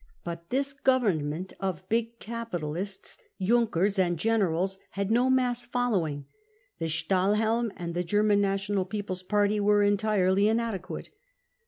55 But this Government of big capitalists, Junkers and generals had no mass follow ing. The Stahlhelm and the German National People's Party were entirely inadequate.